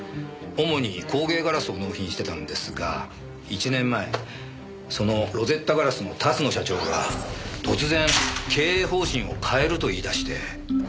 主に工芸ガラスを納品していたんですが１年前そのロゼッタ硝子の龍野社長が突然経営方針を変えると言い出して。